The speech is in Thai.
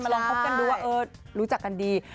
ลองคบกันดูว่ารู้จักกันดี